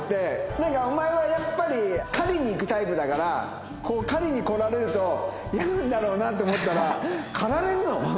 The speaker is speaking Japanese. なんかお前はやっぱり狩りに行くタイプだから狩りに来られると嫌なんだろうなって思ったら。